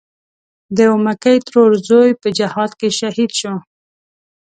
د اومکۍ ترور زوی په جهاد کې شهید و.